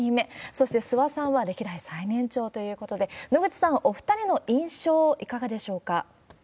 そして諏訪さんは歴代最年長ということで、野口さん、お２人の印象、いかがでしょうか。